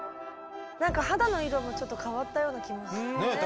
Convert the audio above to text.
何か肌の色もちょっと変わったような気も。